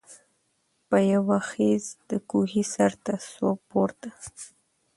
په یوه خېز د کوهي سرته سو پورته